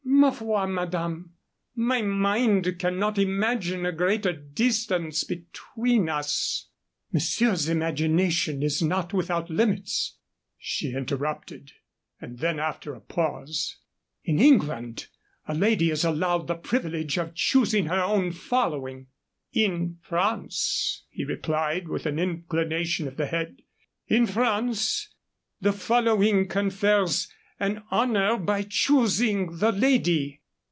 "Ma foi, madame. My mind cannot imagine a greater distance between us " "Monsieur's imagination is not without limits," she interrupted; and then, after a pause, "In England a lady is allowed the privilege of choosing her own following." "In France," he replied, with an inclination of the head "in France the following confers an honor by choosing the lady."